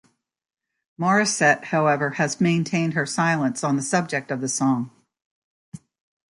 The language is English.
Morissette, however, has maintained her silence on the subject of the song.